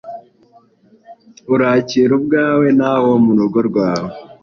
urakira ubwawe n’abo mu rugo rwawe.